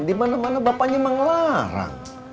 dimana mana bapaknya mah ngelarang